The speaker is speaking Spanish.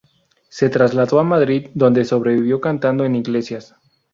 Se trasladó a Madrid, donde sobrevivió cantando en iglesias.